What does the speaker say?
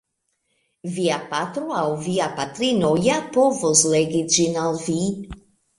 Via patro aŭ via patrino ja povos legi ĝin al vi.